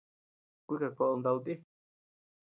Kuikadkoʼod ndakuu ti.